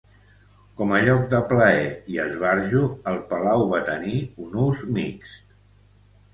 Com a lloc de plaer i esbarjo, el palau va tenir un ús mixt.